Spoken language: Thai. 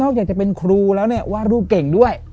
อยากจะเป็นครูแล้วเนี่ยวาดรูปเก่งด้วย